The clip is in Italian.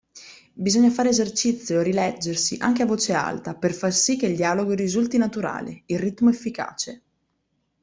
Bisogna fare esercizio, rileggersi, anche a voce alta, per far sì che il dialogo risulti naturale, il ritmo efficace.